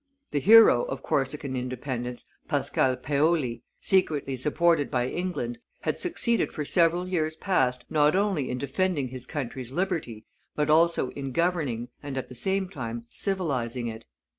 The hero of Corsican independence, Pascal Paoli, secretly supported by England, had succeeded for several years past not only in defending his country's liberty, but also in governing and at the same time civilizing it.